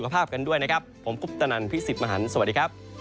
โปรดติดตามตอนต่อไป